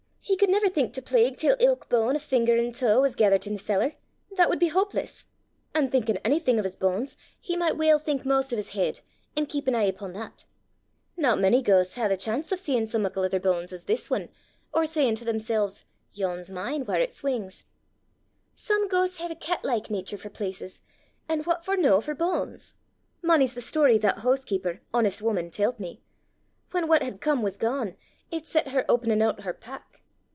He could never think to plague til ilk bane o' finger an' tae was gethert i' the cellar! That wud be houpless! An' thinkin' onything o' his banes, he micht weel think maist o' 's heid, an' keep an e'e upo' that. Nae mony ghaists hae the chance o' seein' sae muckle o' their banes as this ane, or sayin' to themsel's, 'Yon's mine, whaur it swings!' Some ghaists hae a cat like natur for places, an' what for no for banes? Mony's the story that that hoosekeeper, honest wuman, tellt me: whan what had come was gane, it set her openin' oot her pack!